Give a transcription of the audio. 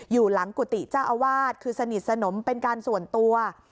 อยู่หลังกุฏิเจ้าอาวาสคือสนิทสนมเป็นการส่วนตัว